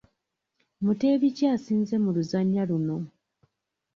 Muteebi ki asinze mu luzannya luno?